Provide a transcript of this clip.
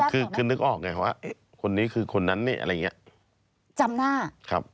ก็คือคือนึกออกไงเหรอว่าคนนี้คือคนนั้นนี่อะไรอย่างนี้